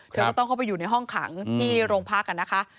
เธอก็ต้องเข้าไปอยู่ในห้องขังที่โรงพักกันนะคะ